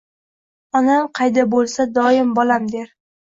Onam qayda bulsa doim bolam der